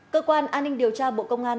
cơ quan an ninh điều tra bộ công an